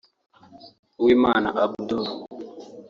Uwimana Abdul